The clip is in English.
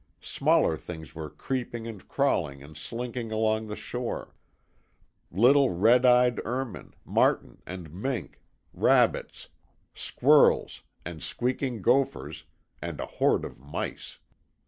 Smaller things were creeping and crawling and slinking along the shore; little red eyed ermine, marten, and mink, rabbits, squirrels, and squeaking gophers, and a horde of mice.